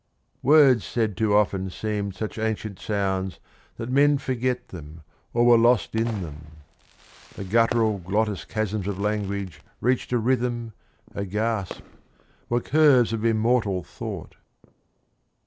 Words said too often seemed such ancient sounds That men forget them or were lost in them; The guttural glottis chasms of language reached A rhythm, a gasp, were curves of immortal thought.